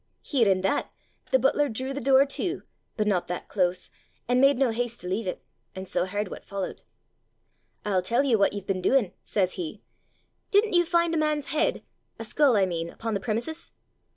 Hearin' that, the butler drew the door to, but not that close, and made no haste to leave it, and so h'ard what followed. "'I'll tell you what you've been doin',' says he. 'Didn't you find a man's head a skull, I mean, upon the premises?